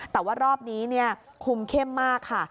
แต่ว่ารอบนี้คุมเข้มมากค่ะ